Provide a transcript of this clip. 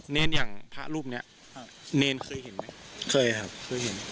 เนรอย่างพระรูปเนี้ยเนรเคยเห็นไหมเคยครับเคยเห็นไหม